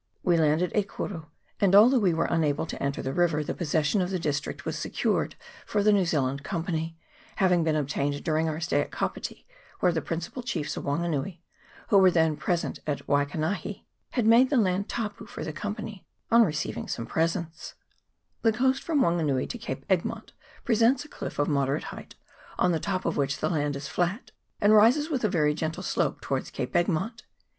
We landed E Kuru ; and although we were un able to enter the river, the possession of the district was secured for the New Zealand Company, having been obtained during our stay at Kapiti, wherfc the principal chiefs of Wanganui, who were then pre sent at Waikanahi, had made the land " tapu " for the Company, on receiving some presents. VOL. i. K 130 COOK'S STRAITS. [PART i. The coast from Wanganui to Cape Egmont pre sents a cliff of moderate height, on the top of which the land is flat, and rises with a very gentle slope towards Cape Egmont.